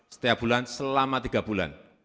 setiap bulan selama tiga bulan